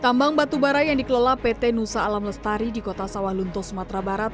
tambang batubara yang dikelola pt nusa alam lestari di kota sawalunto sumatera barat